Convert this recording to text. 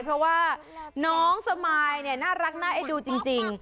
เพราะว่าน้องสมายเนี่ยน่ารักน่าเอ็นดูจริง